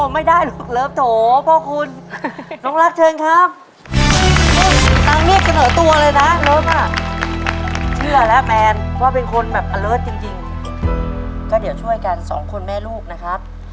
ไม่ได้ครับ